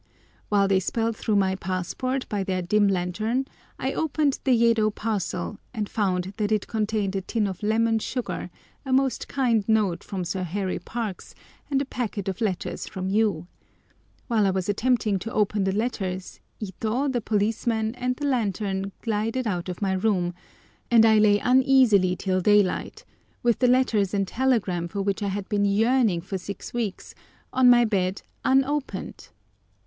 While they spelt through my passport by their dim lantern I opened the Yedo parcel, and found that it contained a tin of lemon sugar, a most kind note from Sir Harry Parkes, and a packet of letters from you. While I was attempting to open the letters, Ito, the policemen, and the lantern glided out of my room, and I lay uneasily till daylight, with the letters and telegram, for which I had been yearning for six weeks, on my bed unopened!